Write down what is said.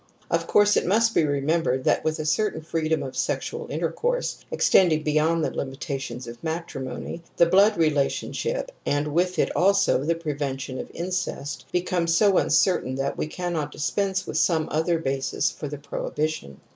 Of course it must be remembered that with a certain freedom of sexual intercourse. 10 TOTEM AND TABOO extending beyond the limitations of matrimony, the blood relationship, and with it also the pre vention of incest, becomes so uncertain that we cannot dispense with some other basis for the prohibition.